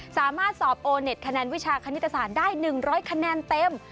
สามารถสอบโอเน็ตคะแนนวิชาคณิตศาสตร์ได้๑๐๐คะแนนเต็ม